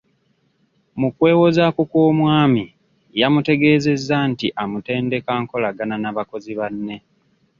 Mu kwewozaako kw'omwami yamutegeezezza nti amutendeka nkolagana na bakozi banne.